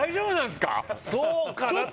「そうかな？」